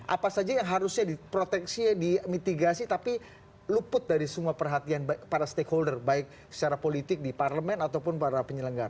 apa saja yang harusnya diproteksi dimitigasi tapi luput dari semua perhatian para stakeholder baik secara politik di parlemen ataupun para penyelenggara